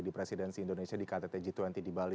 di presidensi indonesia di kttg dua puluh di bali